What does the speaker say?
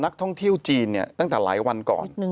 ท่องเที่ยวจีนเนี่ยตั้งแต่หลายวันก่อน